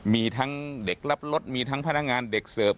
มีทั้งเด็กรับรถมีทั้งพนักงานเด็กเสิร์ฟ